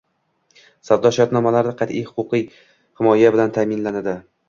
Savdo shartnomalari qat’iy huquqiy himoya bilan ta’minlandi.